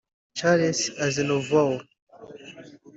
Charles Aznavour